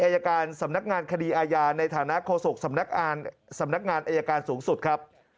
อายการสำนักงานคดีอาญาในฐานะโฆษกสำนักงานสำนักงานอายการสูงสุดครับ